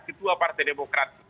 ketua partai demokrat